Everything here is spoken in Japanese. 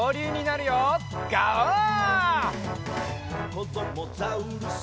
「こどもザウルス